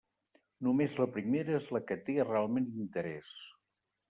Només la primera és la que té realment interès.